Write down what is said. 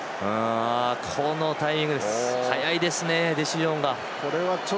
このタイミング早いですねディシジョンが。